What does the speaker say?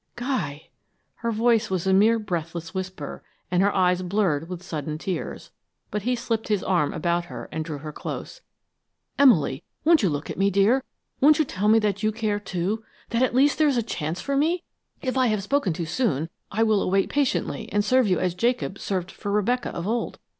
"Guy!" Her voice was a mere breathless whisper, and her eyes blurred with sudden tears, but he slipped his arm about her, and drew her close. "Emily, won't you look at me, dear? Won't you tell me that you care, too? That at least there is a chance for me? If I have spoken too soon, I will await patiently and serve you as Jacob served for Rebecca of old.